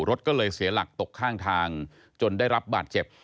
รถก็เลยเสียหลักตกข้างทางจนได้รับบาดเจ็บ